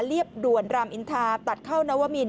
เรียบด่วนรามอินทาตัดเข้านวมิน